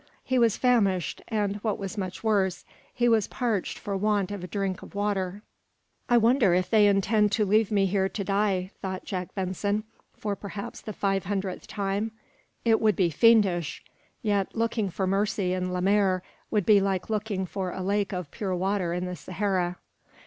He was famished, and, what was much worse, was parched for want of a drink of water. "I wonder if they intend to leave me here to die?" thought Jack Benson, for perhaps the five hundredth time. "It would be fiendish. Yet looking for mercy in Lemaire would be like looking for a lake of pure water in the Sahara."